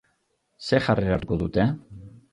Zer jarrera hartuko dute?